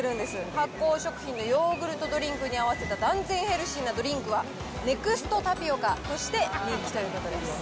発酵食品のヨーグルトドリンクに合わせた断然ヘルシーなドリンクは、ネクストタピオカとして人気ということです。